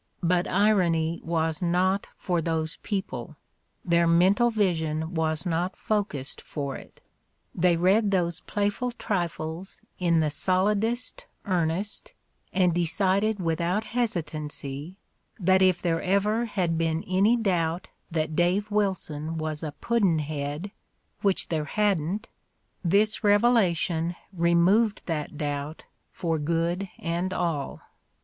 But irony was not for those people ; their men tal vision was not focussed for it. They read those playful trifles in the solidest earnest and decided with out hesitancy that if there ever had been any doubt that Dave Wilson was a pudd'nhead — which there hadn't — this revelation removed that doubt for good and all."